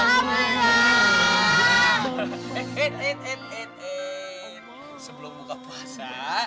sebelum buka puasa